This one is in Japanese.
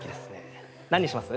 何にします？